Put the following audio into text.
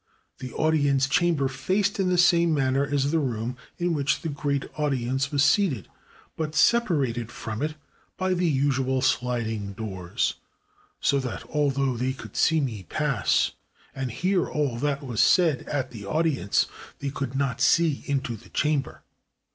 The audience chamber faced in the same manner as the room in which the great audience was seated, but separated from it by the usual sHding doors; so that al though they could see me pass and hear all that was said at the audience, they could not see into the chamber.